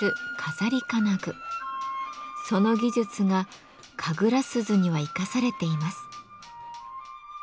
その技術が神楽鈴には生かされています。